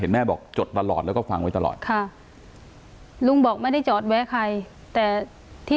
แม่บอกจดตลอดแล้วก็ฟังไว้ตลอดค่ะลุงบอกไม่ได้จอดแวะใครแต่ที่